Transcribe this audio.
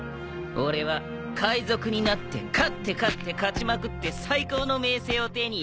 俺は海賊になって勝って勝って勝ちまくって最高の名声を手に入れる！